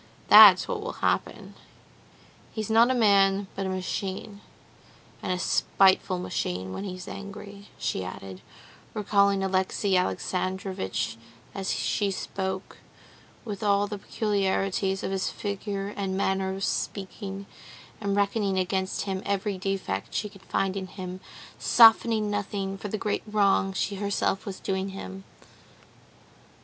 That's what will happen. He's not a man, but a machine, and a spiteful machine when he's angry," she added, recalling Alexey Alexandrovitch as she spoke, with all the peculiarities of his figure and manner of speaking, and reckoning against him every defect she could find in him, softening nothing for the great wrong she herself was doing him.